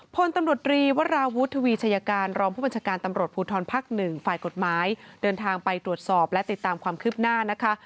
พลตำรวจรีวราวุฒิทวีชัยการรองผู้บัญชาการตำรวจภูทรภักดิ์หนึ่งฝ่ายกฎหมายเดินทางไปตรวจสอบและติดตามความคืบหน้านะคะ